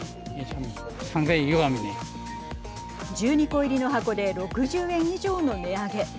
１２個入りの箱で６０円以上の値上げ。